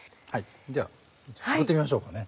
ではすくってみましょうかね。